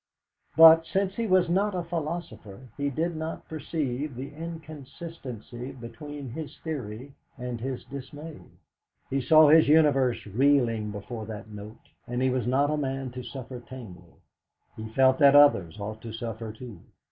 But, since he was not a philosopher, he did not perceive the inconsistency between his theory and his dismay. He saw his universe reeling before that note, and he was not a man to suffer tamely; he felt that others ought to suffer too.